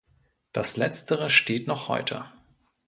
Das letztere steht noch heute.